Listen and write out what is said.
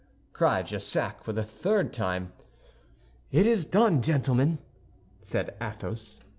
cried Jussac for the third time. "It is done, gentlemen," said Athos.